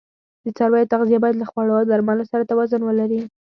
د څارویو تغذیه باید له خوړو او درملو سره توازون ولري.